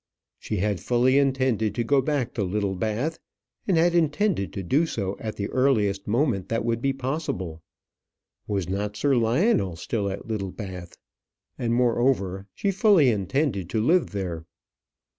She had fully intended to go back to Littlebath, and had intended to do so at the earliest moment that would be possible. Was not Sir Lionel still at Littlebath? And, moreover, she fully intended to live there.